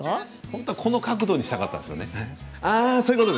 本当はこの角度にしたかったんですね。